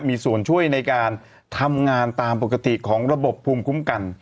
มีส่วนช่วยในการทำงานตามปกติของระบบภูมิคุ้มกัน